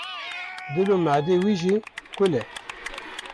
dil û madê wî jî kul e.